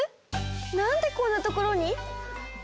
なんでこんなところに？